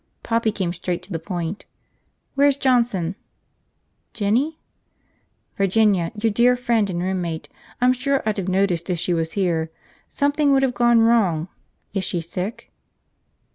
Poppy came straight to the point. "Where's Johnson?" "Jinny?" "Virginia. Your dear friend and roommate. I'm sure I'd of noticed if she was here. Something would of gone wrong. Is she sick?"